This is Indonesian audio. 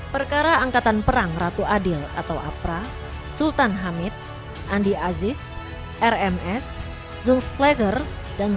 perkara angkatan perang ratu adil atau apra sultan hamid andi aziz rms zul slegger dan